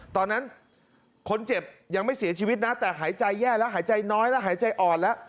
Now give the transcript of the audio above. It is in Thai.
ตอนนั้นคนเจ็บยังไม่เสียชีวิตนะแต่หายใจแย่แล้วหายใจน้อยแล้วหายใจอ่อนแล้ว